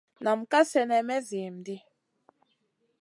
Nam ka slenè may zihim ɗi.